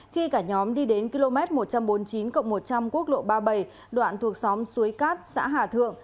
khi cả nhóm đi đến km một trăm bốn mươi chín một trăm linh quốc lộ ba mươi bảy đoạn thuộc xóm xuối cát xã hà thượng